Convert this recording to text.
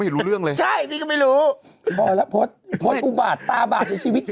ไม่รู้เรื่องเลยใช่พี่ก็ไม่รู้พอแล้วโพสต์พดอุบาตตาบาดในชีวิต